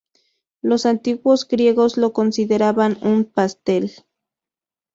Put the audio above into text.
Los antiguos griegos lo consideraban un pastel.